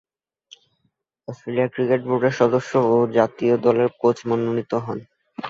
Australia cricket বোর্ডের সদস্য ও জাতীয় দলের কোচ মনোনীত হন।